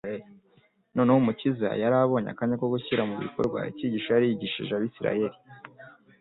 Noneho Umukiza, yari abonye akanya ko gushyira mu bikorwa icyigisho yari yarigishije abisiraeli.